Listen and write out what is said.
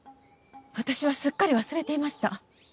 私はすっかり忘れていました。